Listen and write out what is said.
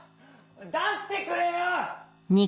出してくれよ！